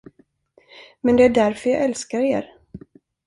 Men det är därför jag älskar er.